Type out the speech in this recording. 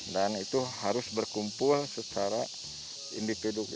dan itu harus berkumpul secara individu